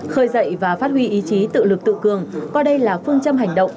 khơi dậy và phát huy ý chí tự lực tự cường coi đây là phương châm hành động